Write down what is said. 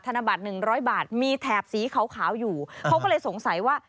ธนบัตร๑๐๐บาทมีแถบสีขาวอยู่เขาก็เลยสงสัยว่า